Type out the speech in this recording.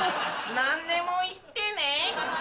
何でも言ってね。